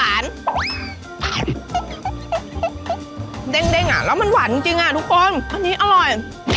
อันนี้อร่อย